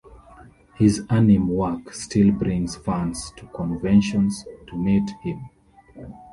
His anime work still brings fans to conventions to meet him.